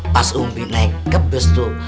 pas umi naik ke bus tuh